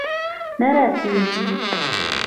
نه رسیږې